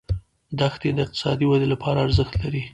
دښتې د اقتصادي ودې لپاره ارزښت لري.